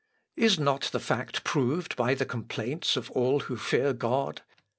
Is not the fact proved by the complaints of all who fear God?